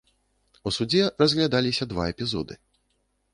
У судзе разглядаліся два эпізоды.